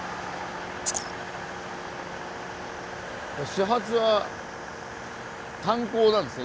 始発は単行なんですね